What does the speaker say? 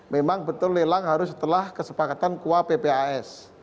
memang betul lelang harus setelah kesepakatan kuah ppas